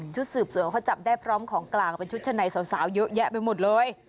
สืบสวนเขาจับได้พร้อมของกลางเป็นชุดชะในสาวเยอะแยะไปหมดเลย